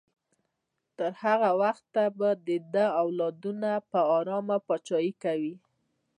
تر هغه وخته به د ده اولادونه په ارامه پاچاهي کوي.